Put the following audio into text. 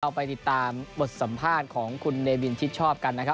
ไปติดตามบทสัมภาษณ์ของคุณเนวินชิดชอบกันนะครับ